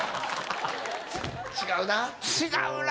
違うな。